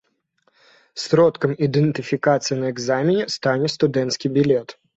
Сродкам ідэнтыфікацыі на экзамене стане студэнцкі білет.